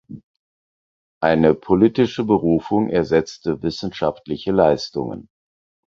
Eine „politische“ Berufung ersetzte wissenschaftliche Leistungen.